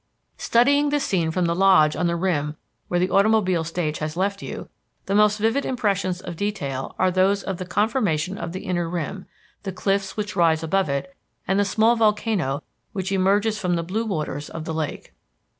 Studying the scene from the Lodge on the rim where the automobile stage has left you, the most vivid impressions of detail are those of the conformation of the inner rim, the cliffs which rise above it, and the small volcano which emerges from the blue waters of the lake.